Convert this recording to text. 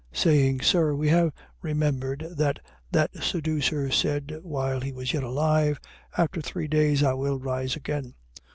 Saying: Sir, we have remembered, that that seducer said, while he was yet alive: After three days I will rise again.